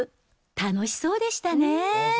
楽しそうでしたね。